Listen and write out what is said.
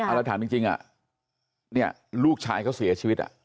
เอาละถามจริงลูกชายเขาเสียชีวิต